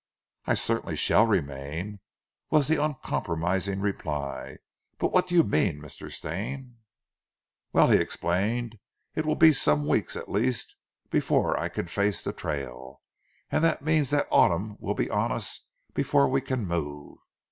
"I certainly shall remain," was the uncompromising reply. "But what do you mean, Mr. Stane?" "Well," he explained, "it will be some weeks at least before I can face the trail, and that means that autumn will be on us before we can move.